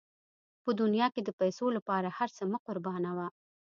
په دنیا کې د پیسو لپاره هر څه مه قربانوه.